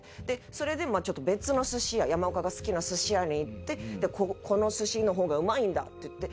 それでちょっと別の寿司屋山岡が好きな寿司屋に行って「この寿司の方がうまいんだ」って言って。